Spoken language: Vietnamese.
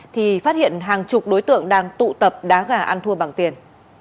thì phát hiện hàng chục đối tượng đang tụ tập đá gà ăn thua bằng tiền